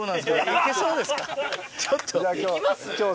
いけそうですか？